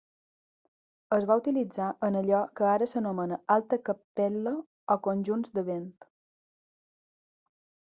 Es va utilitzar en allò que ara s'anomena alta cappella o conjunts de vent.